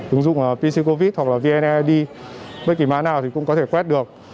ứng dụng pc covid hoặc là vnid bất kỳ má nào thì cũng có thể quét được